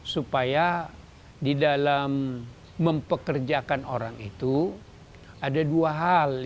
supaya di dalam mempekerjakan orang itu ada dua hal yang harus diperhatikan